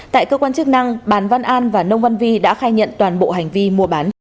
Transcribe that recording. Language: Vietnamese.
tại cơ quan chức năng bàn văn an và nông văn vi đã khai nhận toàn bộ hành vi mua bán